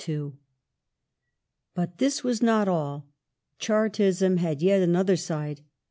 But this was not all. Chai'tism had yet another side.